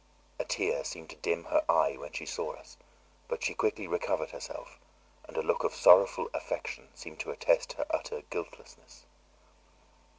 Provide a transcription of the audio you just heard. A tear seemed to dim her eye when she saw us, but she quickly recovered herself, and a look of sorrowful affection seemed to attest her utter guiltlessness.